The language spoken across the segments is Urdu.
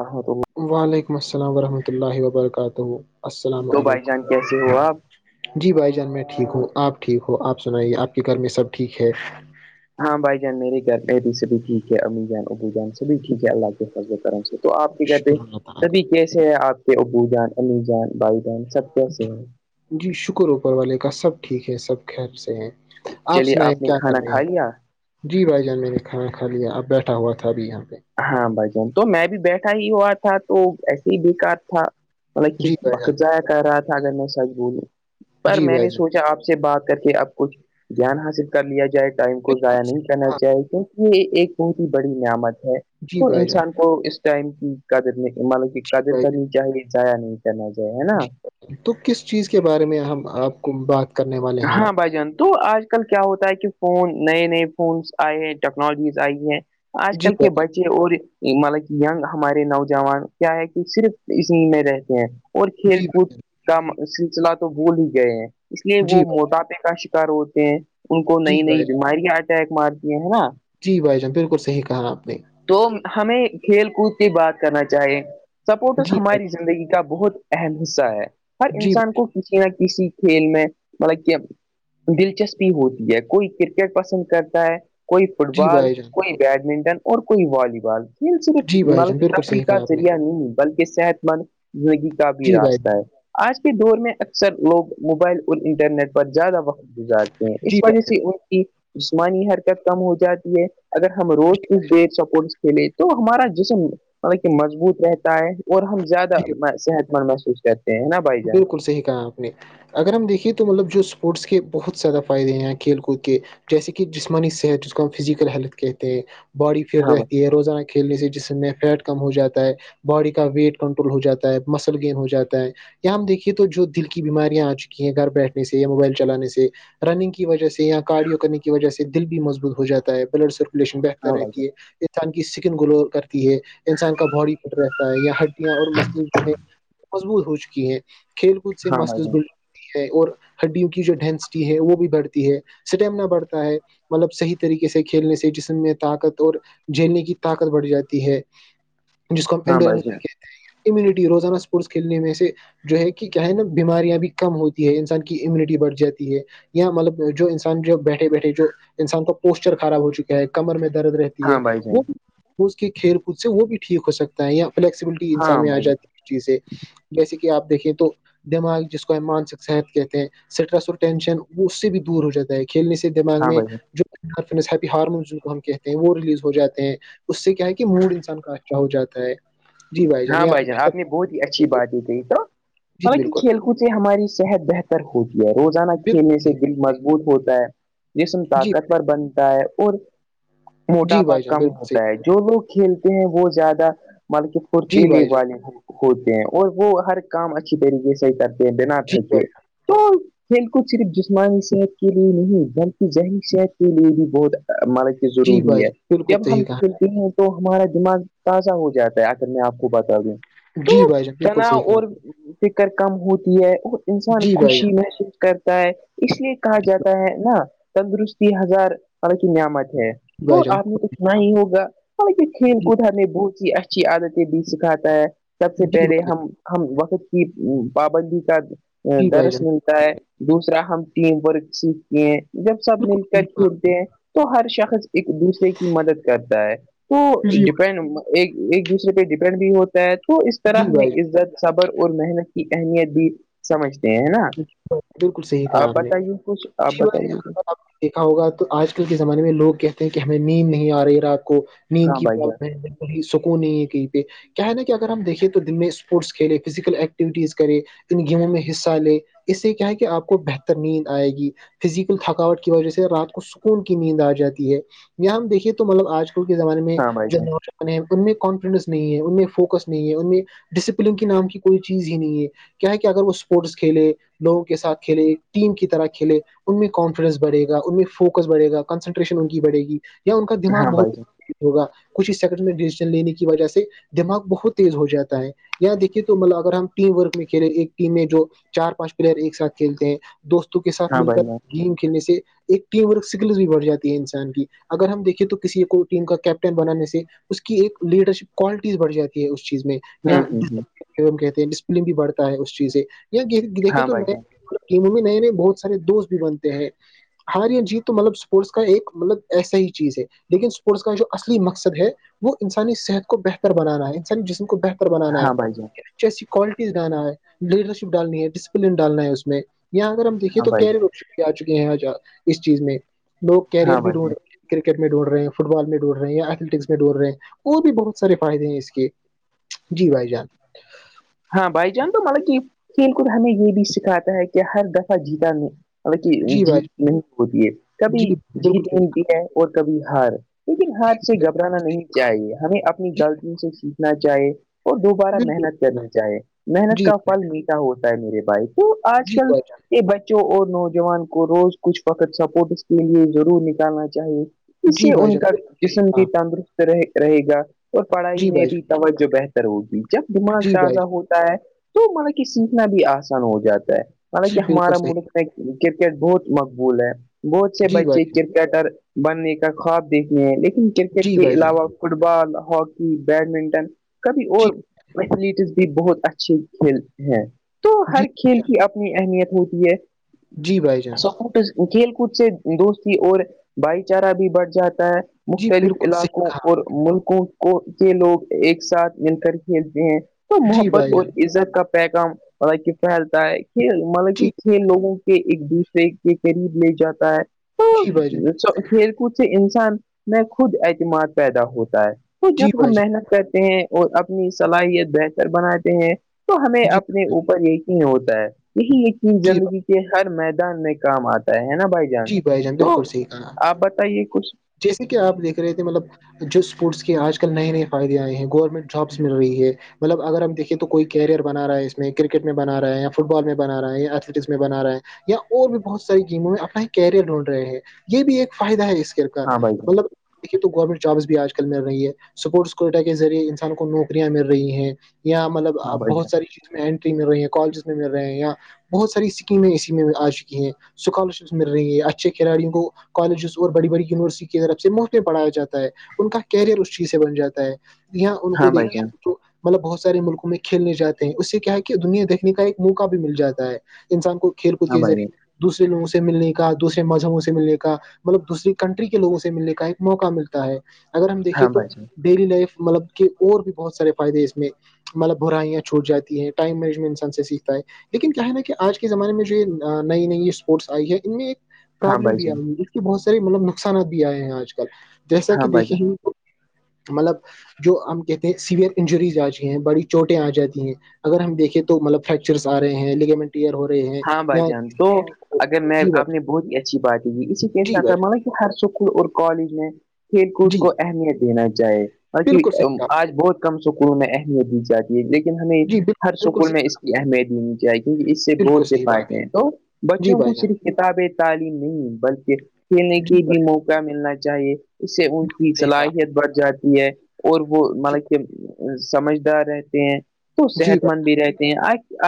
آاں تو وعلیکم السلام ورحمۃ اللہ وبرکاتہ السلام تو بھائی علیکم جان کیسے ہو آپ جی بھائی جان میں ٹھیک ہوں آپ ٹھیک ہو آپ سنائیے آپ کے گھر میں سب ٹھیک ہے ہاں بھائی جان میرے گھر میں بھی سبھی ٹھیک ہے امی جان ابو جان سبھی ٹھیک ہے اللہ کے حضر کرم سےب تو آپ کے کہتے شکر اللہ تعالی سبھی کا کیسے ہیں آپ کے ابو جان عمی جان بھائی جان سب کیسے ہیں جی شکر اوپر والے کا سب ٹھیک ہے سب خل سے ہے آپ چلیے سنائیں نے کیا کر کھانا رہے کھا ہیں لیا جی بھائی جان میں نے کھانا کھا لیا اب بیٹھا ہوا تھا ابھی یہاں پہ ہاں بھ جن تو میں بھی بیٹھا ہی ہوا تھا تو ایسے ہی بیکار تھا مطلب ک جی بھائی بق جان جایا کہہ رہا تھا اگر میں سچ بولوں پر جی میں بھائی نے جان سوچا آپ سے بات کر کے اب کچھ جان حاصل کر لیا جائے گا ٹائم کو ضائع بالکل نہیں صحیح کرنا کہا چاہیے کیونکہ یہ ایک بہت ہی بڑی نعمت ہے جی تو بھائی جان انسان کو اس ٹائم کی قدر نہیں مانو کہ جی قدر بھائی جان کرنی چاہیے ضائع نہیں کہناا جائے ہے نا جی تو کس چیز کے بارے میں ہم آپ کو بات کرنے والے ہیں ہاں آج بھ جان تو آج کل کیا ہوتا ہے کہ فون نئے نئے فونس آئے ہیں ٹیکنالوجیز آئی ہیں آج جی کل کے بچ اور مطلب یگ ہمارے نوجوان کیا ہے کہ صرف اسی میں رہتے ہیں اور کھیل بھائی کود جان کا سلسلہ تو بول ہی گئے ہیں اس لیے وہ جی بھائی جان موٹاپے کا شکار ہوتے ہیں ان کو جی نئی نئی بھائی جی بھائی جان بیماریاں اٹیک مارتی ہیں ہے نا جی بھائی جان بالکل صح کہا آپ نے تو ہمیں کھیل کود کی بات کرنا چاہیے سپورٹس جی بھائی ہماری زندگی کا بہت اہم حصہ ہے ہر جی انسان بھائی- کو کسی نہ کسی کھیل میں مطلب کہ دلچسپی ہوتی ہے کوئی کرکٹ پسند کرتا ہے کوئی فٹ جی بال بھائی جان کوئی بیڈمنٹن اور کوئی والی بال صرف جی بھائی ملہ جان بالکل صحیح کہا تفریقات آپ نے ذریعہ نہیںنی بلکہ صحت مند زندگی کا بھی جی بھائی راستہ جان، ہے آج کے دور میں اکثر لوگ موبائل اور انٹرنیٹ پر زیادہ وقت گزارتے ہیں جی اس وجہ بھائی سے ان کی جسمانی حرکت کم ہو جاتی ہے اگر ہم روز کچھ دیر سپورٹ لیے تو ہمارا جسم مطل کہ مضبوط رہتا ہے اور ہم زیادہ جی صحت محسوس کہتا ہوں بالکل صحیح کہا آپ اگر ہم دیکھے تو مطلب جو اسپورٹس کے بہت زیادہ فائدے ہیں کھیل کود کے جیسے کہ جسمانی صحت جس کو ہم فزیکل ہیلتھ کہتے ہیں باڈی فٹ ہاں رہتی ہے روزانہ کھیلنے سے جس میں فیٹ کم ہو جاتا ہے باڈی کا ویٹ کنٹرول ہو جاتا ہے مسل گینین ہو جاتا ہے ہم دیکھیے تو جو دل کی بیماریاں آ چکی ہیں گھر بیٹھنے سے یا موبائل چلانے سے رننگ کی وجہ سے یا کارڈیو کرنے کی وجہ سے دل بھی مضبوط ہو جاتا ہے بلڈ سک بہتر بھائی رہتی ہے انسان کی سکن گلو کرتی ہے انسان کا باڈی فٹ رہتا ہے یا اور مثلس جو ہے مضبوط ہو چکی ہیں کھیل کود سے ہاں بھائی مسلس جان ب ہے اور ہڈیوں کی جو ڈینسٹی ہے وہ بھی بڑھتی ہے اسٹیمنا بڑھتا ہے مطلب صحیح طریقے سے کھیلنے سے جسم میں طاقت اور جھیلنے کی طاقت بڑھ جاتی ہے [unintelligible] جس کو ہاں ہمڈ کہتے بھائی جان ہیں امیونٹی روزانہ اسپورٹس کھیل میں سے جو ہے کہ کیا ہے نا بیماریاں بھی کم ہوتی ہے انسان کی امیونٹی بڑھ جاتی ہے اں مطلب جو انسان جو بیٹھے بیٹھے جو انسان کا پوسچر خراب ہو چکا ہے کمر میں درد رہتا ہاں بھائی جان وہ بھی اس کے کھیل کود سے وہ بھی ٹھیک ہو سکتا ہے یا فلیکسیبلٹی انسان ہاں میں آ بھائی جان جاتی ہے چیزیں جیسے کہ آپ دیکھیں تو دماغ جس کو ہم مانسک صحت کہتے ہیں اسٹریس اور ٹینشن وہ اس سے بھی دور ہو جاتا ہے کھیلنے سے دماغ ہاں میں بھائی جان جو ہار ہم کہتے ہیں وہ ریلیز ہو جاتے ہیں اس سے کیا ہے کہ موڈ انسان کا اچھا ہو جاتا ہے جی ہاں یا بھائی جان بہتر آپ نے بہت ہی کیے اچھی تو بات یہ کہھی تو جی حالانکہ بالکل کھیل کود سے ہماری صحت بہتر ہو جی یہ روزانہ کھیلنے بالکل سے دل مضبوط ہوتا ہے جسم جی طاقتور بنتا ہے اور جی موٹاپا بھائی جان کم بالکل صحیح ہوتا ہے کہا جو لوگ کھیلتے ہیں وہ زیادہ مط کے جی پھرتیلی بھائی جان والے ہیں ہوتے ہیں اور وہ ہر کام اچھی طریقے سے کرتے ہیں بنا جی تھکے بھائی تو کھیل کود صرف جسمانی صحت کے لیے نہیں بلکہ ذہنی صحت کے لیے بھی بہت ملد جی بھائی ضروری ہے جان بالکل جب صحیح ہم کہا کھیلتے ہیں تو ہمارا دماغ تازہ ہو جاتا ہے اگر میں آپ کو بتا دوں جی تو بھائی جان بالکل کیاناا صحیح کہا اور آپ نے فکر کم ہوتی ہے اور انسان جی بھائی خوشی محسوس کرتا ہے اس لیے کہا جاتا ہے نا تندرستی ہزار م کی نعمت ہے جان تو بھائی جان آپ نے تو نہ ہی ہوگا بہ کھیل کود ہمیں بہت ہی اچھی عادتیں بھی سکھاتا ہے سب سے جی پہلے بھائی جان ہم ہم وقت کی پابندی کا جی بھائی درس جان دوسرا ہم ٹیم ورک ستے ہیں جب سب مل بالکل کر صحیح کہا کھیلتے ہیں تو ہر شخص ایک دوسرے کی مدد کرتا ہے تو جی ڈپینڈ ایک ایک دوسرے پہ ڈپینڈ بھی ہوتا ہے تو اس طرح جی ہمیں بھائی عزت صبر اور محنت کی اہمیت بھی سمجھتے ہیں نا جان بالکل صحیح کہا آپ نے بتائیے کچھ آپ اچھی بات ہے بتائیے ک اگر آپ نے دیکھا ہوگا تو آج کل کے زمانے میں لوگ کہتے ہیں کہ ہمیں نیند نہیں آ رہی ہے را آپ کو نیند ہاں کی بھائی جان پرابلم ہے وہی سکون نہیں ہے کہیں پہ کیا ہے نا کہ اگر ہم دیکھیں تو دن میں اسپورٹس کھیلے فزیکل ایکٹیویٹیز کرے ان گیموں میں حصہ لے اس سے کیا ہے کہ آپ کو بہتر نین آئے گی فزیکل تھکاوٹ کی وجہ سے رات کو سکون کی نیند آ جاتی ہے یہیا ہم دیکھیے تو مطلب آج کل کے زمانے میں ہاں بھائی جو جان نو ان میں کانفیڈینس نہیں ہے ان میں فوکس نہیں ہے ان میں ڈسپلین کے نام کی کوئی چیز ہی نہیں ہے کیا ہے کہ اگر وہ اسپورٹس کھیلے لوگوں کے ساتھ کھیلے ٹیم کی طرح کھیلے ان میں کانفیڈینس بڑے گا ان میں فوکس بڑے گا کنسنٹریشن ان کی بڑے گی یا ان کا دماغ ہاں بھائی بہت ہوگا کچھ ہی سیکنڈ میں ڈیسیزن لینے کی وجہ سے دماغ بہت تیز ہو جاتا ہے اں دیکھیے تو مطلب اگر ہم ٹیم ورک میں کھیلے ایک ٹیم میں جو چار پانچ پلیئر ایک ساتھ کھیلتے ہیں دوستوں کے جان ساتھ ہاں مل کر بھائی جان گیم کھیلنے سے ایک ٹی ورک سکلس بھی بڑھ جاتی ہے انسان کی اگر ہم دیکیں تو کسی کو ٹیم کا کیپٹن بنانے سے اس کی ایک لیڈر شپ کوالٹیز بڑھاتی ہے اس چیز میں ہوں ہوں ہوں کہتے ہیں ڈسپلین بھی بڑھتا ہے اس چیز سے یا دیکھے ہاں تو بھائی جان نیا کہ ممی نئے نئے بہت سارے دوست بھی بنتے ہیں ہار جی تو مطلب اسپورٹس کا ایک مطلب ایسا ہی چیز ہے لیکن اسپورٹس کا جو اصلی مقصد ہے وہ انسانی صحت کو بہتر بنانا ہے انسانی جسم کو بہتر بنانا ہے ہاں بھائی جان ایسی کوالٹیز ڈانا ہے لیڈرشپ ڈالنی ہے جس کو فللم ڈالنا ہے اس میں اں اگر ہم دیکے ہاں تو بھائی کیرے جان رو آ چکے ہیں اس چیز میں لوگ کیریئر ہاں بھی بھائی ڈھونڈ جان رہے ہیں کرکٹ میں ڈونڑ رہے ہیں فٹ بال میں ڈھونڈ رہے ہیںیا ایتھلیٹکس میں ڈونڑ رہے ہیں اور بھی بہت سارے فائدے ہیں اس کے جی بھائی جان ہاں بھائی جان تو مطلب کہ کھیل کود ہمیں یہ بھی سکھاتا ہے کہ ہر دفعہ جیتا میں مطل کہ جی جیت بھائی نہیں ہوتی ہے کبھی جی جیت بالکل ملتی ہے اور کبھی ہار لیکن ہاتھ سے گھبرانا نہیں چاہیے ہمیں اپنی غلطیوں سے سیکھنا چاہیے اور دوبارہ بالکل محنت کرنا چاہے محنت جی کا پھل میٹھا ہوتا ہے میرے بھائیک وہ آج جی کل بھائی جان یہ بچوں اور نوجوان کو روز کچھ وقت سپورٹ اس کے لیے ضرور نکالنا چاہیے ک سے جی بھائی ان کا جان جسم بھی ہاں تندرست رہ رہے گا اور پڑھائی جی میں بھائی بھی جان توجہ بہتر ہوگی جب دماغ جی بھائی تازہ جان ہوتا ہے تو مطلب کہ سیکھنا بھی آسان ہو جاتا ہے مطلب جی کہ بالکل ہمارا صحیح ملک کرکٹ بہت مقبول ہے بہت سے جی بھائی بچے جان کرکٹر بننے کا خواب دیکھتے ہیں لیکن کرکٹ جی کے بھائی جان علاوہ فٹ بال ہاکی بیڈمنٹن کبھی جی اور ایھلیس بھی بہت اچھے کھیل ہیں تو ہر جی بھائی کھیل جان کی اپنی اہمیت ہوتی ہے جی بھائی جان سکٹ کھیل کود سے دوستی اور بھائی چارہ بھی بڑھ جاتا ہے جی مختلف بالکل صحیح علاقوں کہا اور ملکوں کو کے لوگ ایک ساتھ مل کر کھیلتے ہیں تو جی محبت بھائی اور جان عزت کا پیغام مطلب کہ پھیلتا ہے کہ مطلب جی کہ لوگوں کے ایک دوسرے کے قریب لے جاتا ہے جی بھائی جان تو کھیل کود سے انسان میں خود اعتماد پیدا ہوتا ہے تو جی جب ہم بھائی جان محنت کرتے ہیں اور اپنی صلاحیت بہتر بناتے ہیں تو ہمیں جی اپنے اوپر یقین ہوتا ہے یہی ایک چیز جی بھائی زندگی کے ہر میدان میں کام آتا ہے نا بھائی جی بھائی جان تو بالکل صحیح کہا آپ بتائیے کچھ جیسے کہ آپ دیکھ رہے تھے مطلب جو اسپورٹس کے آج کل نئے نئے فائدے آئے ہیں گورنمنٹ جابس مل رہی ہے مطلب اگر ہم دیکھے تو کوئی کیریئر بنا رہا ہے اس میں کرکٹ میں بنا رہا ہے یا فٹ بال میں بنا رہا یا ایتھلیٹکس میں بنا رہا ہے یا اور بھی بہت ساری گیموں میں اپنا کیریئر ڈھونڈ رہے ہیں یہ بھی ایک فائدہ ہے اسکل کا ہاں بھائی جان مطلب دیکے تو گورنمنٹ جابس بھی آج کل مل رہی ہے سپورٹس کوئٹ کےذریعے انسان کو نوکیاں مل رہی ہیں یہاں مطلب ہاں بھائی بہت جان ساری چیز انٹری مل رہی ہیں کالجز میں مل رہے ہیں یہاں بہت ساری اسکیمیں اسی میں آ چکی ہیں اسکالر شپ مل رہی ہے اچھے کھلاڑوں کو کالجز اورڑی بڑی یونیورسٹی کی طرف سے محفتیں پڑھا جاتا ہے ان کا کیریئر اس چیز سے بن جاتا ہے یہاں ان کو ہاں بھائی جان دیکھے مطلب بہت سارے ملکوں میں کھیلنے جاتے ہیں اس سے کیا ہے کہ دنیا دیکھنے کا ایک موقع بھی مل جاتا ہے انسان کو کھیل کو ہاں کے بھائی جان ذریعے دوسرے لگوں سے سے ملنے کا دوسرے مذہبوں سے ملنے کا مطلب دوسری کنٹری کے لوگوں سے ملنے کا ایک موقع ملتا ہے اگر ہم دیکھے ہاں تو بھائی جان ڈیلی لائف مطلب کہ اور بھی بہت سارے فائدے اس میں مطلب برائیاں چھوٹاتی ہیں ٹائم مج انسان سے سیکھتا ہے لیکن کیا ہے نا کہ آج کے زمانے میں جو یہ نئی نئی اسپورٹس یا ان میں ایک ہاں پرابلم بھائی بھی جان آئی اس کے بہت سارے مطلب نقصانات بھی آئے ہیں آج کل جیسا ہاں کہ بھائی جان دیکھیں مطلب جو ہم کہتے ہیں سیوئر انجریز آ جی ہیں بڑی چوٹیں آ جاتی ہیں اگر ہم دیکیں تو مطلب فریکچرس آ رہے ہیں لیگمنٹ کئر ہو رہے ہیں ہاں بھائی یا جان تو اگر میں جی آپ بھائی نے بہت ہی اچھی بات ہی تھی اسی کیس جی بھائی ہر اسکول اور کالج میں کھیل کود جی کو اہمیت دینا چاہے بالکل صحیح کہا آپ آج بہت کم سکولوں میں اہمیت دی جاتی ہے لیکن ہمیں نے جی ہر بالکل بالکل سکول میں صحیح اہمیت ہینی چاہی کیونک اس سے بالکل بہت صحیح بات پٹے ہے ہیں تو جی بچوں کو بھائی جان صرف کتابیں تعلیم نہیں بلکہ کھیلنے جی کی بھی بھائی موقع ملنا چاہیے اس سے ان کی صحیح کہا آپ نے صلاحیت بڑھ جاتی ہے اور وہ جی مطلب کہ سمجھدار رہتے ہیں تو جی صحت بھائی مند بھی رہتے ہیں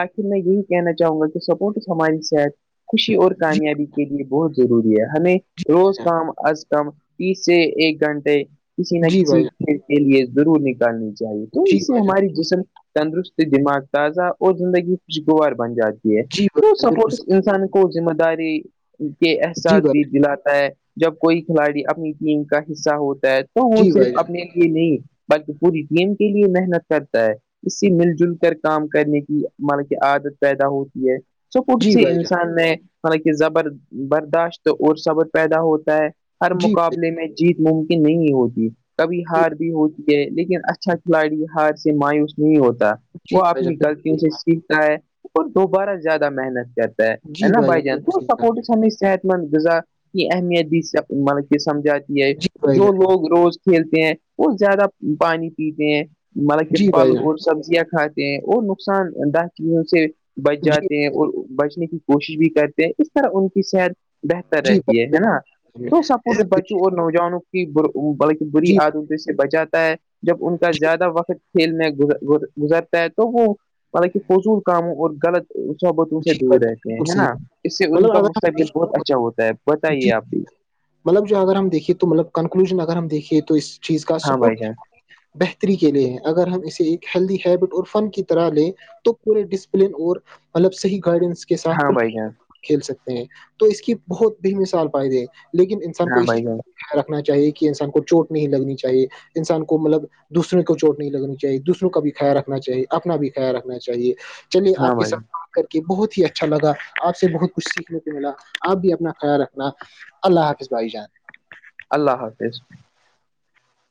آخر میں یہی کہنا چاہوں گا کہ سپورٹ ہماری صحت خوشی اور جی کامیابی کے لیے بہت ضروری ہے ہمیں جی بھائی روز جان کم از کم تیس سے ایک گھنٹے کسی نہ جی کسی بھائی جان کے لیے ضرور نکالنی چاہیے تو جی اس سے بھائی جان ہماری جسم تندرست دماغ تازہ اور زندگی خوشگوار بن جاتائےی جی بھائی تو جان بالکل سپورٹس صحیح کہا انسان کو ذمہ داری کے جی احساس بھی بھائی دلاتا ہے جب کوئی کھلاڑی اپنی ٹیم کا حصہ ہوتا ہے تو وہ جی صرف بھائی جان اپنے نہیں بلکہ پوری ٹیم کے لیے محنت کرتا ہے اس سے مل جل کر کام کرنے کی مطلب کہ عادت پیدا ہو س کھ جی سے بھائی جان انسان نے حالانکہ زبر برداشت اور صبر پیدا ہوتا ہے ہر جی مقابلے میں جیت ممکن نہیں ہوتی کبھی بھائی ہار بھی ہوتی یہ لیکن اچھا کھلاڑی ہار سے مایوس نہیں ہوتا جی وہ بھائی اپنی جان بالکل غلطیوں سے سیکھتا ہے بارہ زیادہ محنت کرتا ہے جی نا بھائی جان تو بالکل سپورٹ صحیح ہت غذا کی اہمیت بھی مطلب کہ سمجھاتی کہا ہے آپ نے جی بھائی جو جان لوگ روز کھیلتے ہیں اور زیادہ پانی پیتے ہیں ملب کے جی پھل بھائی جان اور سبزیاں کھاتے ہیں اور نقصان دہوں سے بچ جی جاتے ہیں اور بچنے کی کوشش بھی کرتے ہیں اس طرح ان کی صحت بہتر جی رہتی ہے بھائی بالکل ہے صحیح نا کہا آپ نے۔ تو سپورٹس اگر بچوں دیکھیے اور نوجوانوں کی بلکہ بری جی عدم سے بچاتا ہے جب ان کا جی زیادہ وقت کھیلنے گزرتا ہے تو وہ حالہ فضول کاموں اور غلط صحبتوں سے جی دور بھائی جان رہتے ہیں بالکل ہے صحیح نا کہا۔ اس سے ان مطلب کا اگر ہم مستقبل دیکھیں بہت تو اچھا ہوتا ہے مطلب- جی بتائیے آپ بھی مطلب جو اگر ہم دیکھیے تو مطلب کنکلوژن اگر ہم دیکھیے تو اس چیز کا ہاں بھائی جان سپورٹ بہتری کے لیے ہے اگر ہم اسے ایک ہیلدی ہیبٹ اور فن کی طرح لیں تو پورے ڈسپلین اور مطلب صحیح گائڈنس کے ساتھ ہاں بھائی جان کھیل سکتے ہیں تو اس کی بہت ب مثال پائدے ہیں لیکن انسان کو ہاں اس بھائی جان چیز رکھنا چاہیے کہ انسان کو چوٹ نہیں لگنی چاہیے انسان کو مطلب دوسروں کو چوٹ نہیں لگنی چاہیے دوسروں کا بھی خیال رکھنا چاہیے اپنا بھی خیال رکھنا چاہیے چلیے ہاں آپ کے بھائی ساتھ جان کر کے بہت ہی اچھا لگا آپ سے بہت کچھ سیکھنے کو ملا آپ بھی اپنا خیال رکھنا اللہ حافظ بھائی جان اللہ حافظ